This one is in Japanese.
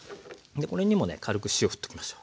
これにもね軽く塩ふっときましょう。